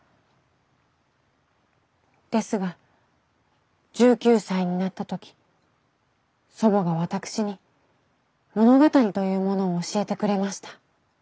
ですが１９歳になった時祖母が私に物語というものを教えてくれました。